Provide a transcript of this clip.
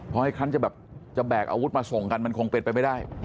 เพราะไอ้คันจะแบบจะแบกอาวุธมาส่งกันมันคงเป็นไปไม่ได้